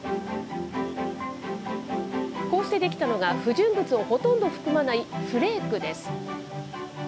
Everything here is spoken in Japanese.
こうして出来たのが、不純物をほとんど含まないフレークです。